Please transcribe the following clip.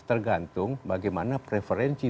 tergantung bagaimana preferensi